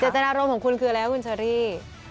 จตนารมณ์ของคุณคืออะไรครับคุณเชอรี่